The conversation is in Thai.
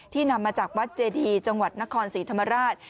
นำมาจากวัดเจดีจังหวัดนครศรีธรรมราช